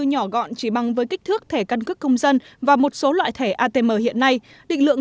nhỏ gọn chỉ bằng với kích thước thẻ căn cước công dân và một số loại thẻ atm hiện nay định lượng